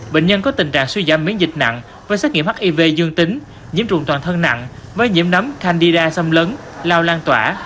bệnh nhân có tình trạng suy giảm miễn dịch nặng với xét nghiệm hiv dương tính nhiễm trùng toàn thân nặng với nhiễm nấm candida xâm lấn lao lan tỏa